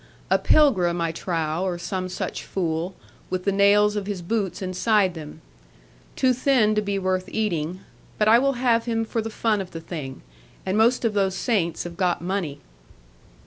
A pilgrim, I trow, or some such fool, with the nails of his boots inside them. Too thin to be worth eating; but I will have him for the fun of the thing; and most of those saints have got money.'